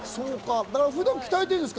普段鍛えてるんですか？